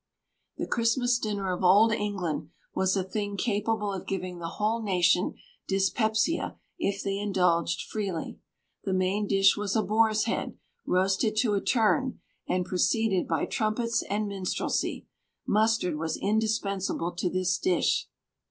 The Christmas dinner of Old England was a thing capable of giving the whole nation dyspepsia if they indulged freely. The main dish was a boar's head, roasted to a turn, and preceded by trumpets and minstrelsy. Mustard was indispensable to this dish.